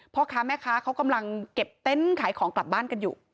พ่อค้าแม่ค้าเขากำลังเก็บเต็นต์ขายของกลับบ้านกันอยู่